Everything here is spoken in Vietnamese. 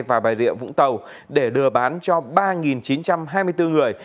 và bà rịa vũng tàu để đưa bán cho ba chín trăm hai mươi bốn người